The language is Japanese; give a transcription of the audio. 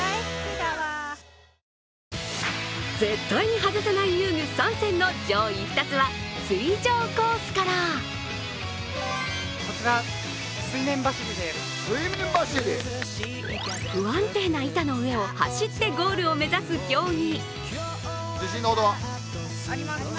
絶対に外せない遊具の上位３選は水上コースから不安定な板の上を走ってゴールを目指す競技。